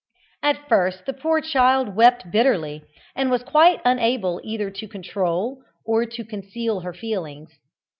At first the poor child wept bitterly, and was quite unable either to control or to conceal her feelings.